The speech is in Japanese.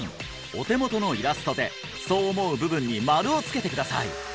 お手元のイラストでそう思う部分にマルをつけてください！